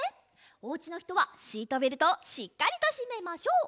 おうちのひとはシートベルトをしっかりとしめましょう。